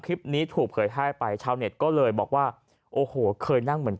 คลิปนี้ถูกเผยแพร่ไปชาวเน็ตก็เลยบอกว่าโอ้โหเคยนั่งเหมือน